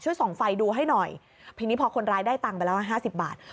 ส่องไฟดูให้หน่อยทีนี้พอคนร้ายได้ตังค์ไปแล้วห้าสิบบาท